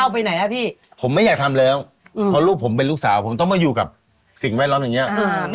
เปลี่ยนมากครับลูกสาวด้วย